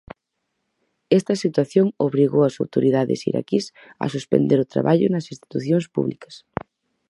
Esta situación obrigou as autoridades iraquís a suspender o traballo nas institucións públicas.